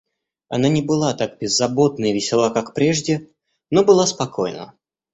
Она не была так беззаботна и весела как прежде, но была спокойна.